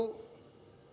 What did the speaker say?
kalau ada kawan yang keliru